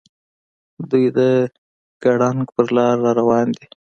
دوي د ګړنګ پر لار راروان دي.